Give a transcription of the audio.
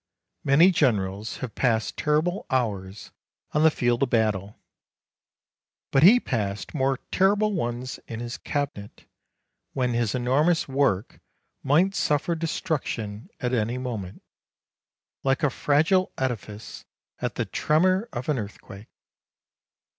Many generals have passed terrible hours on the field of battle ; but he passed more terrible ones in his cabinet, when his enormous work might suffer destruction at any moment, like a fragile edifice at the tremor of an earth quake.